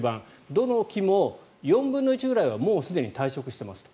どの期も４分の１ぐらいはもうすでに退職してますと。